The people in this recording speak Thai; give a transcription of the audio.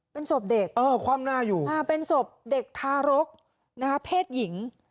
เป็นสบเด็กเออความหน้าอยู่เป็นสบเด็กทารกนะครับเพศหญิง